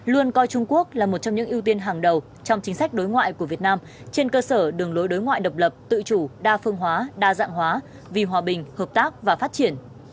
luôn coi trung quốc là một trong những ưu tiên hàng đầu trong chính sách đối ngoại của việt nam trên cơ sở đường lối đối ngoại độc lập tự chủ đa phương hóa đa dạng hóa vì hòa bình hợp tác và phát triển